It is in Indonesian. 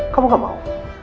kamu gak mau